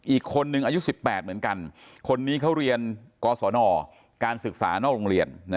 อีกคนนึงอายุ๑๘เหมือนกันคนนี้เขาเรียนกศนการศึกษานอกโรงเรียน